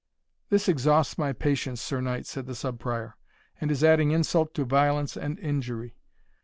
"This exhausts my patience, Sir Knight," said the Sub Prior, "and is adding insult to violence and injury.